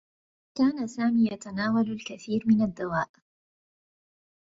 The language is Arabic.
كان سامي يتناول الكثير من الدّواء.